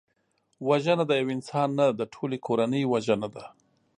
وژنه د یو انسان نه، د ټولي کورنۍ وژنه ده